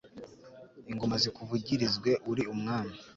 ingoma zikuvugirizwe, uri umwami